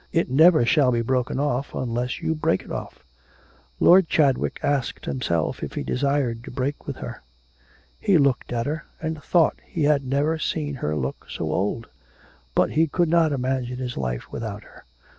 'It never shall be broken off, unless you break it off.' Lord Chadwick asked himself if he desired to break with her? He looked at her, and thought that he had never seen her look so old; but he could not imagine his life without her.